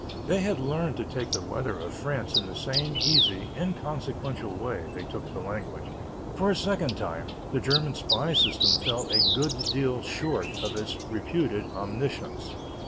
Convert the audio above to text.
They had learned to take the weather of France in the same easy, inconsequential way they took the language. For a second time the German spy system fell a good deal short of its reputed omniscience.